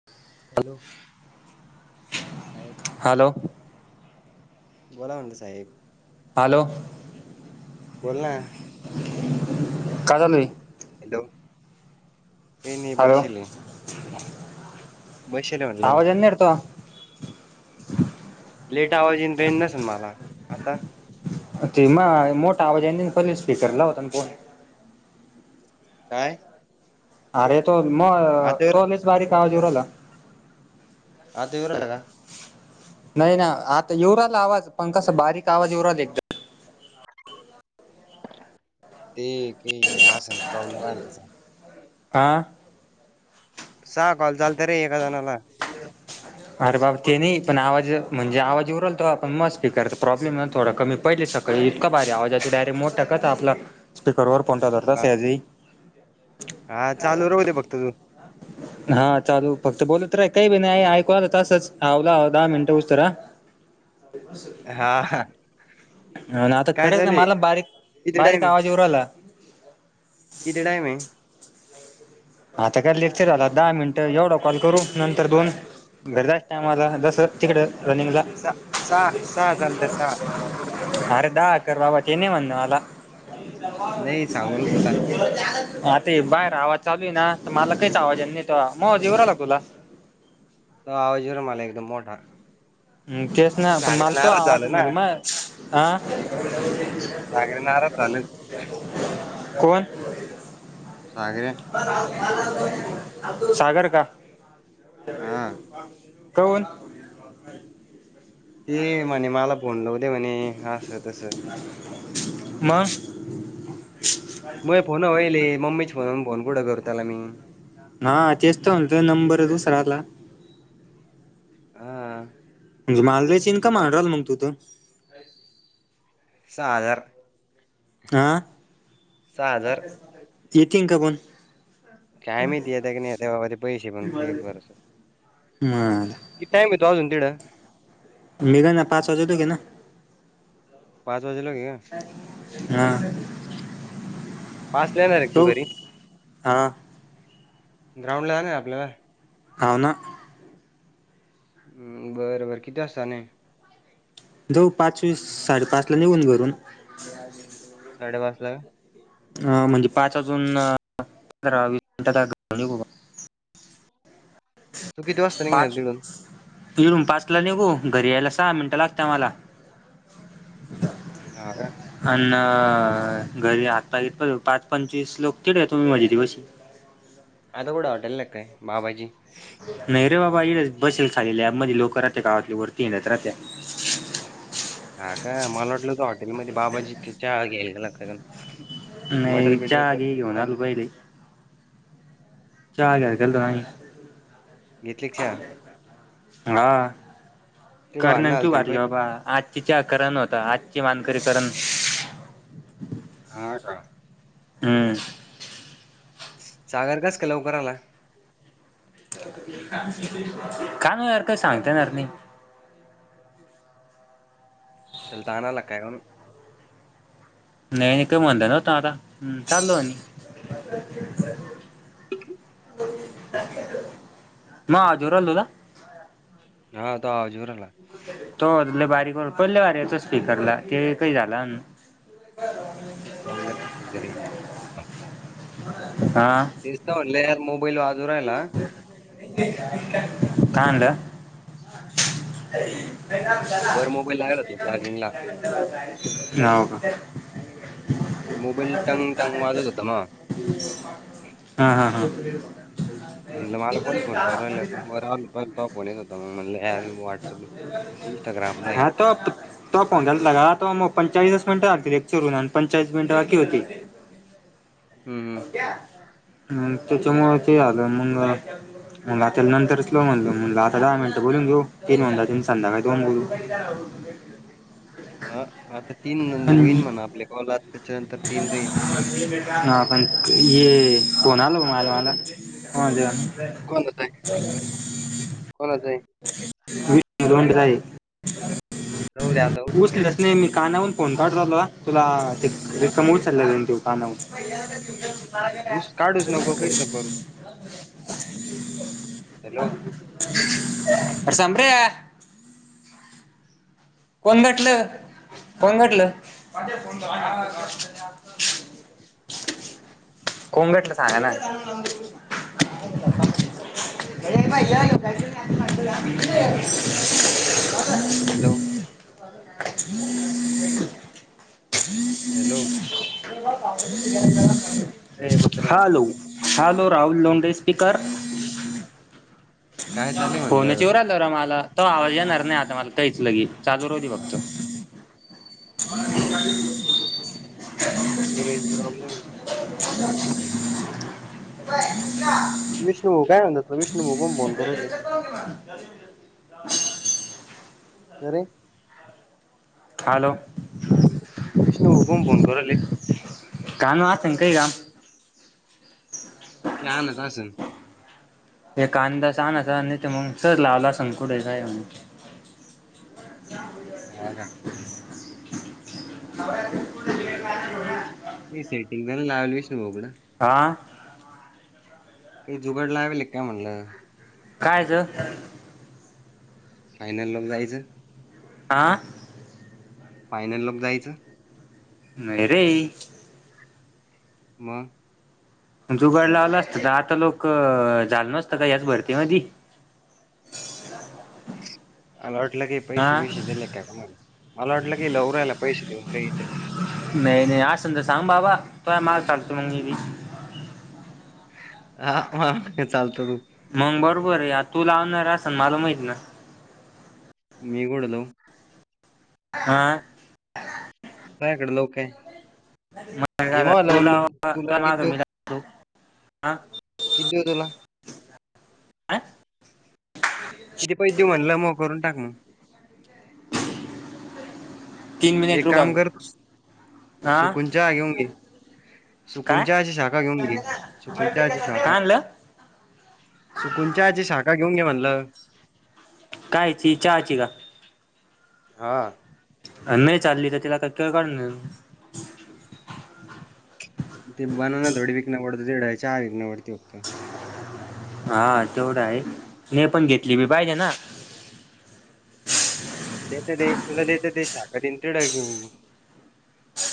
[unintelligible] Hello बोला साहेब. Hello बोला म्हणल साहेब. हॅलो. बोल ना. काय चालू ये? हॅलो काही नही हॅलो बशले. आवाज येत नाही नीट तुला. लेट आवाज येईन बेन नसेल मला आता ते माय मोठा आवाज येण्यास पहिले स्पीकर ला होताना फोन. काय? अरे तो मग आता येऊ तो राहिला लईच बारीक आवाज येवू रहायला. आत येऊ राहिला. नाही ना आता येवू राआला आवाज पण कसं बारीक आवाज येवूराला ते के असन प्रॉब्लेम आहेना त्याचा हा. सहा कॉल चालत रे एका जणाला. अरे बाबा ते नाही. पण आवाज म्हणजे आवाज येवूरलथा. आपण मग स्पीकरचा प्रॉब्लेम थोडा कमी पडले सारखा इतका बारी आवाज येतो डायरेक्ट मोठ कसा आपला स्पीकर वर फोन ठेवला हा सहजी [inaudible] हा चालू राहू दे फक्त तू हा चालू फक्त बोलत राहय काही बी नाही परत असंच आवला दहा मिनट उशिरा हा-हा. हो ना, आता खरंच ना मला किती टाइम बारीक-बारीक आहे आवाज येऊ राहिला. किती टाइम हे? आता काय लेक्चर झाला. दहा मिनिट एवढं कॉल करू नंतर दोन घरी जायच्या टायमाला, जसं तिकडं रनिंगला सा सहा सहा चालत सहा अरे दहा, अकारा बाबा ते नाही म्हण मला. नाही सांगू राहिलो तुला आता ते बाहेर आवाज चालू आहे ना! तर मला काहीच आवाज आहे. माझा येऊ राहिला तुला? हा आवाज येऊ राहिला, एकदम मोठा. केस नाही पण सागऱ्या मला तुझा नाराज आवाज झालं ना म्हणजे माझं ह सगळे नाराज झालं. कोण? सागऱ्या. सागर का? हा काऊन? ते म्हणे, मला फोन लाव दे म्हणे, असं तसं! मग? मग फोन होईल, ए मम्मी चे फोन वरून फोन कुठं करू मी त्याला! हा तेच तर म्हणतोय नंबर दुसरा आला. हा. म्हणे मालचीन ही का मम्मी मालदार म्हणतो तो. सागर. हा सहा हजार येतील का कोण? काय माहिती येते का नाही आता पैसे पण फी भरस तवर. मला किती टाइम आहे, अजून तेढं. मघ ना पाच वाजे तो घे ना. पाच वाजेलाे का? हा पाच नाही येणार एकटू जाऊ घरी. हा. ग्राउंड ला जा ना आपल्याला. अव ना. बरं-बरं किती वाजता जाणे. जाऊ पाच वीस, साडेपाच ला निेघन घरून. [inaudible] साडेपाच ला का? अ म्हणजे पाच वाजून पंधरा, वीस मिनटात निघू बाबा. तू किती वाजता निघणार तडून. इरूम पाचला निघु, घरी यायला सहा मिनटं लागत मला. हा का. हा ना, घरी आत पाय घेतो पाच पंचवीस लोक तडे तोम् माझे दिवशी. आता कुट हॉटेल ला आहे काय? बाबाजी. नाही रे बाबा येडच बसेल खाले लॅब म्हणे लोक राहते गावातली वरती येणार राहते. हा का, मला वाटलं होत हॉटेलमध्ये बाबाजी चाहा घ्यायलाला का? ते नाही मडर बीडर चहा घे करतील घेऊन दहा आलो मिनिटात. पहिले चहा घ्याया चा राहिला, घेतली का चहा? हा. तिकडे भांडणं करण्याम कू आलते ना वातले पहिले. बाबा, आज आच्या करण होता. आजची मानकरीकरण. हा का. हम्म. सागर कस काय लवकर आलाय? का नाही यार काय सांगता हं, येणार नाही. त्याला ताना य लागतंय ना‌. नाही न का म्हणता दादा चालोनी. [inaudible] म धुरलल. रहा आता आजरूनला. तोले बारीकवर पहिल्या बारीेत स्पीकरला ते काही झाला अन्. ती प्रॉब्लेम असेल ते रेंज. हा. दिसत म्हटलं यार मोबाईल वाजू रायला. काय आणलं? वर मोबाईल लागला होता चार्जिंगला. हो का. मोबाईल टंग टंग वाजत होत मग. हा हा हा. म्हटलं मला कोण फोन करू लागल पण मग राहि तो फोन येत होता मग म्हटलंर व्हॉट्सअपला इंस्टाग्राम नाही. तप. तो फोनय लागातो मग पंचाळीस मिनिट लागतीलेक्ची रुून पंचाळीस मिनिटं बाकी होती. [inaudible] हम त्याच्यामुळे ते आलं मंग मग आता नंतरच लाऊ म्हणलं म्हणलं आता दहा मिनट बोलून घेऊ तीन होऊन जातील संध्याकाळी दोन बोलू. ह आता तीन पण होईन म्हणा आपले कॉल आज. [inaudible] [unintelligible] [inaudible] कोणाच आहे. जाऊ दे आता. उस उचलत नाही मी काना फोन काढ रालो तुला ते रम चालले तेव कानावर. ऊस काढूच नको, काहीच नको करू. हॅलो, [inaudible] [unintelligible] कोण भेटलं. कोण भेटलं. कोण भेटलं सांगा ना. [inaudible] हॅलो. [inaudible] हॅलो. ए Makarand hello hello Rahul Londe speaker. काय चालेल म्हणलं फोनच येऊ राहिल र मला तो आवाज येणार नाही आता मला काहीच लगी चालू रऊदे फक्त. रेंज चा प्रॉब्लेम आहे. [inaudible] विष्णू भाऊ काय म्हणत. [inaudible] करे हॅलो, विष्णू कोण फोन कराले. [unintelligible] हे आणत असन. हे कांदा च आणत आणि त मंग सहज लावला असल कुठे जाय मंग. होना. सेटिंग [unintelligible] आ, काही जुगाड लावेल आहे का म्हणलं. कायच फायनल लोक जायचं. आ, फायनल लोक जायचं. नाही रे. मग जुगाड लावला असता त आता लोक झाल नसतं का ह्याच भरती मधी. मला वाटलं की हा पैसे बीइशे दिले काय तुम्ही मला वाटलं की लावून रायला पैसे देऊन काहीतरी. नाही नाही असन तर सांग बाबा तोया माग चालतो मंग मी बी. आ हा चालतो [unintelligible] मंग बरोबर आहे आ तू लावणार असन मला माहित ना, मी कुठं लाऊ. आ, मायाकडं लावू काय, घे म लावून तुला मग तुला किती माग देऊ? मी लागतो हा किती देऊ तुला? काय किती पैसे देऊ म्हणलं मय भरून टाकन. तीन मिनिट एक रुका काम कर सु हा सुकून चहा घेऊन घे. सुकुन काय चहा ची शाखा घेऊन घे. सुकुन चहाची काय ठाखा आणलं सुकुंन चहाची शाखा घेऊन घे म्हणलं. काय ची चहा ची का? हा, अ नाही चालली तर तिला का केळ काढून देऊ. ते बनवन थोडं विकनं पडतं ते [unintelligible] हा तेवढा आहे. तिने पण घेतली बी पाहिजे ना, देत दे तुला देत दे [unintelligible]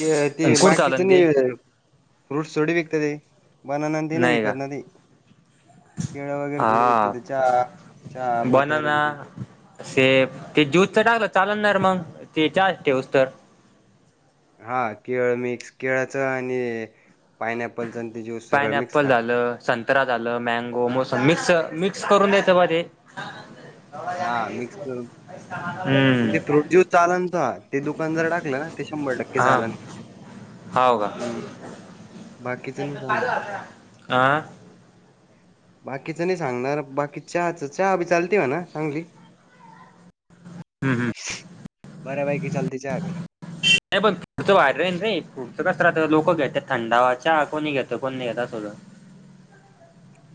क ते कुठं बाकीच चालन ते नाही फ्रूट थोडी विकते ते. बनाना न ते नाही विकत ती. केळ वगैरे थोडे विकते हा ते चहा चहा बटर अनते सेफ ते ज्यूसचा टाकलं चाललणारे मग ते चहा ठेऊस तरं- हा केळ मिक्स केळच आणि पाईनॲपलच अन ते ज्यूस सगळं मिक्स पायनॅपल का? झालं संतरा झालं मँगो मोसंबी मिक्स मिक्स करून नेतो का ते? हा मिक्स हम्म, चालण ता ते दुकान जर टाकलं ना ते शंभर टक्के हा, चालन. होव का. हम्म बाकीचं नाही चालणार. आह, बाकीचं नाही. सांगणार बाकी चहाच चहा बी चालते. म्हणा. चांगली हम हम! बर्‍यापैकी चालते. चहा बी हे बग बाहेर राहील रे कसं राहतं! लोकं घेतात थंडावा च्या कोणी घेत कोण नाही घेत अस होत.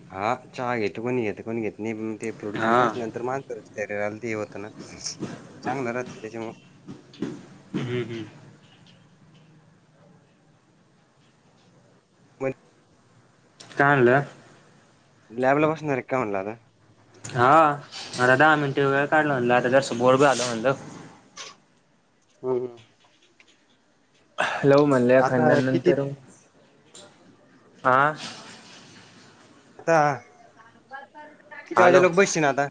हा चहा घेत कोणी घेत कोण घेत नाही. ते फ्रूट ज्यूस हा हम्म असल्यानंतर मानत रव्यात दिलं होतं ना चांगलं राहते. त्याच्यामुळ- हम्म हम्म मन काय आणल! लॅबला बसणारे काय म्हणल आता. हा आता दहा मिनटे वेळ काढलं म्हणलं! आता जरास बोर झालं म्हणलं. हं हं हॅलो म्हणल्या आता खानदान किती नंतरून आह! आता किती वाजे हॅलो लोक बसशील ना आता?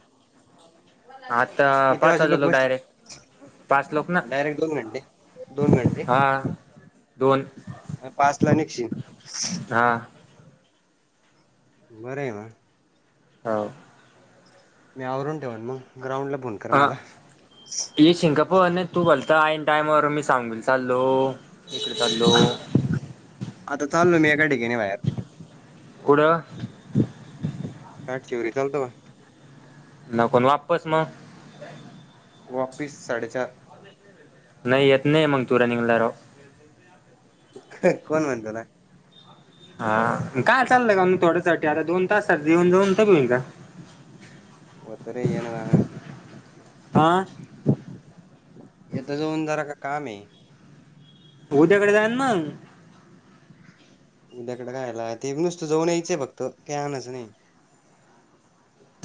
आता किती पाच वाजे हजार लोक लोगबास डायरेक्ट पाच लोक ना डायरेक्ट दोन घंटे, दोन घंटे हा दोन पाचला निघशील हा बरं हे मग हो मी आवरून ठेवन मग ग्राउंड ला फोन कर अ मला तू येशील का! पण तू भलता आणि टायमावर मी सांगेन चाललो. इकडे चाललो. आता चालो मी एका ठिकाणी बाहेर कुठं! ताट शिवरी चालतो का? नकोन वापस मग? वापीस साडेचार नाही येत. नही मग तू रनिंगला राव कोण म्हणलं ना? हा काय चाललंय. का थोड्यासाठी आता दोन तास येऊन जाऊन तर होईन का? होत रे येन जान आ याता जाऊन जरा का काम हे उद्याकडे जायन मग उद्याकडे कायला ते नुसतं जाऊन यायचंय! फक्त काही आणचं नाही.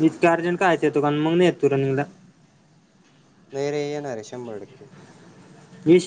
इतक्या अर्जंट काय येतो. मग नाही तू रनिंगला नाही रे येणार शंबर टक्के येशी